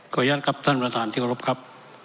ขออนุญาตครับท่านประธานทิวรบครับ